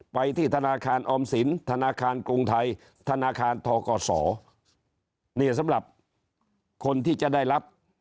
ไปที่ธนาคารออมสินธนาคารกรุงไทยธนาคารทกศเนี่ยสำหรับคนที่จะได้รับ